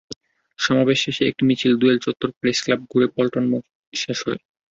সমাবেশ শেষে একটি মিছিল দোয়েল চত্বর-প্রেসক্লাব ঘুরে পল্টন মোড়ে শেষ হয়।